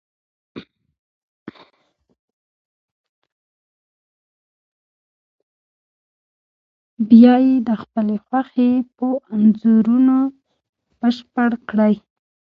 بیا یې د خپلې خوښې په انځورونو بشپړ کړئ.